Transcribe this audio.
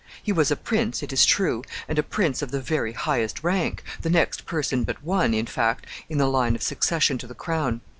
He was a prince, it is true, and a prince of the very highest rank the next person but one, in fact, in the line of succession to the crown.